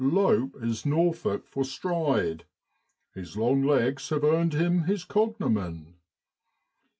Lope is Norfolk for stride, his long legs have earned him his cognomen.